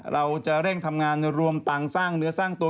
เราจะเร่งทำงานรวมตังค์สร้างเนื้อสร้างตัว